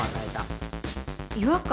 違和感？